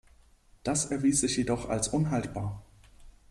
Das erwies sich jedoch als unhaltbar.